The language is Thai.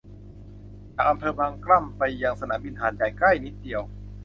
จากอำเภอบางกล่ำไปยังสนามบินหาดใหญ่ใกล้นิดเดียว